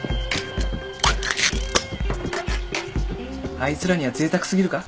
あいつらにはぜいたく過ぎるか？